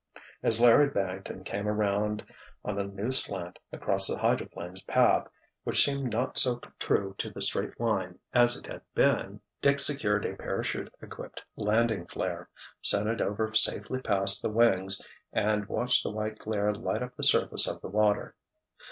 As Larry banked and came around on a new slant across the hydroplane's path, which seemed not so true to the straight line as it had been, Dick secured a parachute equipped landing flare, sent it over safely past the wings, and watched the white glare light up the surface of the water.